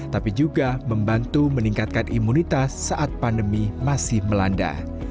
tapi juga membantu meningkatkan imunitas saat pandemi masih melanda